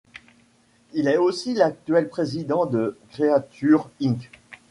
Il est aussi l'actuel président de Creatures, Inc.